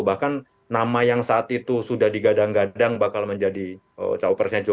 bahkan nama yang saat itu sudah digadang gadang bakal menjadi cawapresnya jokowi